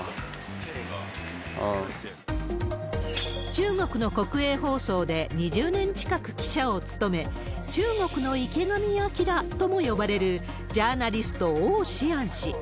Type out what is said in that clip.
中国の国営放送で２０年近く記者を務め、中国の池上彰とも呼ばれる、ジャーナリスト、王志安氏。